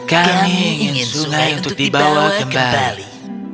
kami ingin sungai untuk dibawa kembali